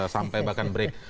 sampai bahkan break